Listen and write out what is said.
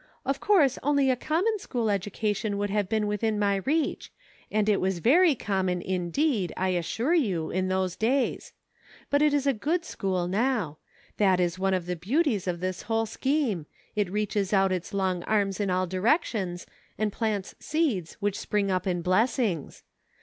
Of course, only a common school education would have been within my reach ; and it was very common indeed, I assure you, in those days ; but it is a good school now ; that is one of the beauties of this whole scheme ; it reaches out its long arms in all directions, and plants seeds which spring up in blessings.